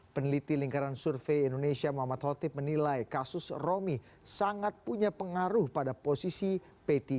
peneliti lingkaran survei indonesia muhammad khotib menilai kasus romi sangat punya pengaruh pada posisi p tiga